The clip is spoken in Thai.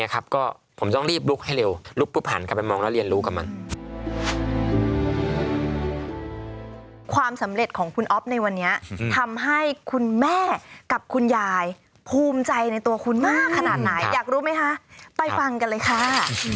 ความสำเร็จของคุณอ๊อฟในวันนี้ทำให้คุณแม่กับคุณยายภูมิใจในตัวคุณมากขนาดไหนอยากรู้ไหมคะไปฟังกันเลยค่ะ